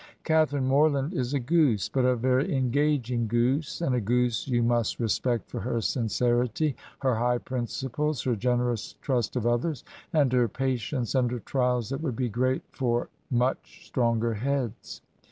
Catharine Morland is a goose, but a very engaging goose, and a goose you must respect for her sincerity, her high principles, her generous trust of others, and her patience under trials that would be great for much stronger heads.